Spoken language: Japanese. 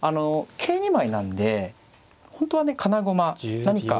桂２枚なんで本当はね金駒何か。